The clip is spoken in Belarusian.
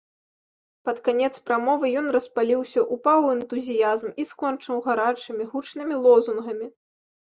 Пад канец прамовы ён распаліўся, упаў у энтузіязм і скончыў гарачымі гучнымі лозунгамі.